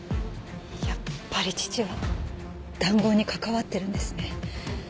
やっぱり父は談合に関わってるんですね。